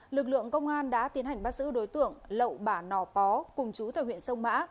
lực lượng công an đã tiến hành bắt giữ đối tượng lậu bả nò pó cùng chú tại huyện sông mã